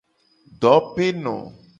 Dopeno.